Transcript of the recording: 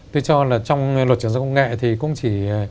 tôi cho là trong luật chuyển giao công nghệ thì cũng chỉ